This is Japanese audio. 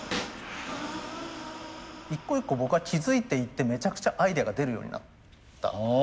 一個一個僕が気付いていってめちゃくちゃアイデアが出るようになった。